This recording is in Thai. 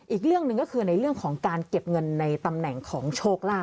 อีกเรื่องหนึ่งก็คือในเรื่องของการเก็บเงินในตำแหน่งของโชคลาภ